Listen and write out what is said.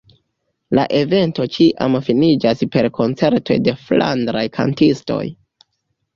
La evento ĉiam finiĝas per koncertoj de flandraj kantistoj.